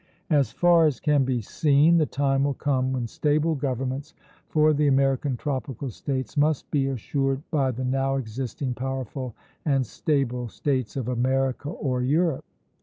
As far as can be seen, the time will come when stable governments for the American tropical States must be assured by the now existing powerful and stable States of America or Europe.